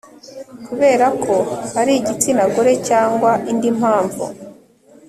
kubera ko ari igitsina gore cyangwa indi mpamvu